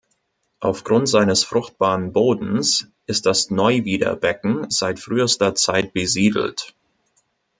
Aufgrund seines fruchtbaren Bodens ist das Neuwieder Becken seit frühester Zeit besiedelt.